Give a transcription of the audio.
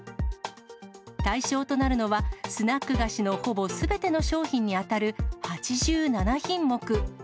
対象となるのは、スナック菓子のほぼすべての商品に当たる８７品目。